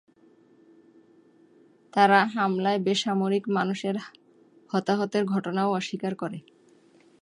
তারা হামলায় বেসামরিক মানুষের হতাহতের ঘটনাও অস্বীকার করে।